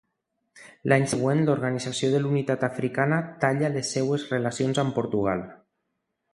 L'any següent, l'Organització de la Unitat Africana talla les seves relacions amb Portugal.